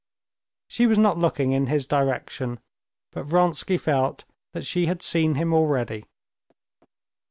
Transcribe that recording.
She was not looking in his direction, but Vronsky felt that she had seen him already.